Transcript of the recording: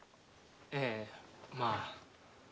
ええまぁ。